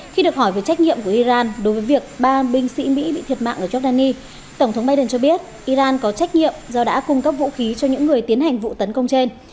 khi được hỏi về trách nhiệm của iran đối với việc ba binh sĩ mỹ bị thiệt mạng ở giordani tổng thống biden cho biết iran có trách nhiệm do đã cung cấp vũ khí cho những người tiến hành vụ tấn công trên